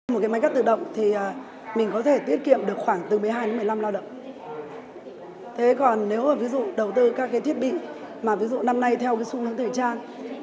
một cái máy cắt tự động thì mình có thể tiết kiệm được khoảng từ một mươi hai đến một mươi năm lao động thế còn nếu mà ví dụ đầu tư các cái thiết bị mà ví dụ năm nay theo cái xu hướng thời trang